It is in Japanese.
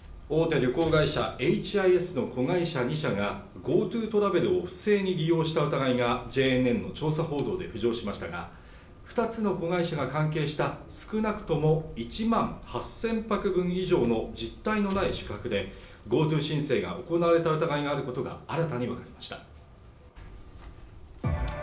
旅行会社エイチ・アイ・エスの子会社２社がＧｏＴｏトラベルを不正に利用した疑いがＪＮＮの調査報道で浮上しましたが２つの子会社が関係した少なくとも１万８０００泊分以上の実体のない宿泊でＧｏＴｏ申請が行われた疑いがあることが新たに分かりました